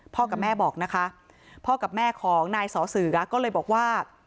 กับแม่บอกนะคะพ่อกับแม่ของนายสอเสือก็เลยบอกว่า